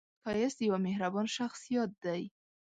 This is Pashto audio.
ښایست د یوه مهربان شخص یاد دی